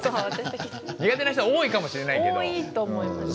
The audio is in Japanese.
苦手な人は多いかもしれないけど。